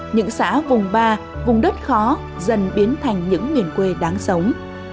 những xã vùng ba vùng đất khó dần biến thành những miền quê đáng sống